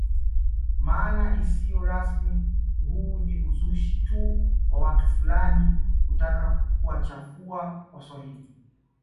Maana isiyo rasmi huu ni uzushi tu wa watu fulani kutaka kuwachafua waswahili